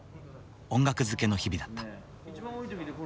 音楽づけの日々だった。